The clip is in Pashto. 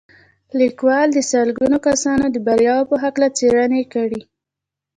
لیکوال د سلګونه کسانو د بریاوو په هکله څېړنې کړي